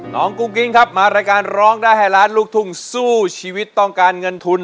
กุ้งกิ้งครับมารายการร้องได้ให้ล้านลูกทุ่งสู้ชีวิตต้องการเงินทุน